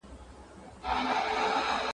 که چېری هغوی را سره خبري وکړې بيا